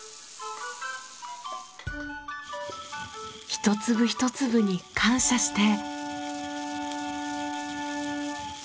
一粒一粒に感謝して。